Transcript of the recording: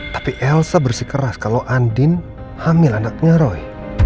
tapi elsa bersikeras kalau andin hamil anaknya roy